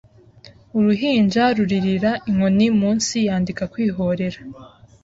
Uruhinja ruririra Inkoni munsi Yandika Kwihorera